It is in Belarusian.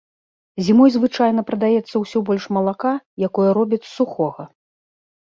Зімой звычайна прадаецца ўсё больш малака, якое робяць з сухога.